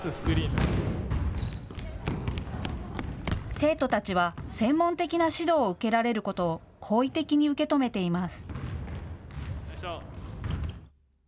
生徒たちは専門的な指導を受けられることを好意的に受け止めています。